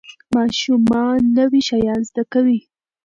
ماشومان نوي شیان زده کوي.